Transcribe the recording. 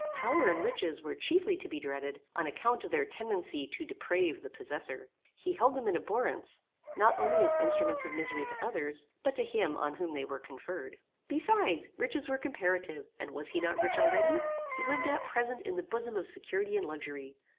Power and riches were chiefly to be dreaded on account of their tendency to deprave the possessor. He held them in abhorrence, not only as instruments of misery to others, but to him on whom they were conferred. Besides, riches were comparative, and was he not rich already? He lived at present in the bosom of security and luxury.